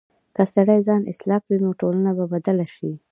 که سړی ځان اصلاح کړي، نو ټولنه به بدله شي.